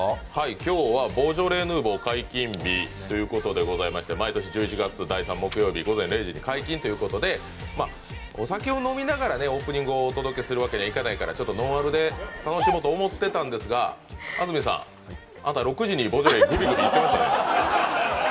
今日はボージョレ・ヌーボー解禁日ということでして毎年１１月の第３木曜日午前０時に解禁ということで、お酒を飲みながらオープニングをお届けするわけにいかないからちょっとノンアルで楽しもうと思ってたんですが安住さん、朝６時にボージョレー、ぐびぐびいってましたね。